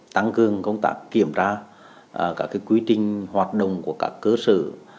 tăng cường công tác kiểm tra các quy trình hoạt động của các cơ sở